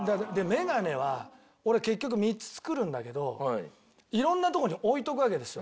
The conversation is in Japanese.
眼鏡は俺結局３つ作るんだけどいろんなとこに置いとくわけですよ。